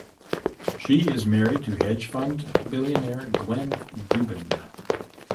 She is married to hedge fund billionaire Glenn Dubin.